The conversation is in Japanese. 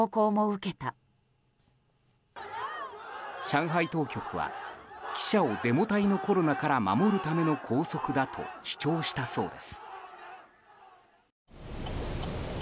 上海当局は記者をデモ隊のコロナから守るための拘束だと主張したそうです。